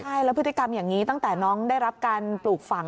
ใช่แล้วพฤติกรรมอย่างนี้ตั้งแต่น้องได้รับการปลูกฝัง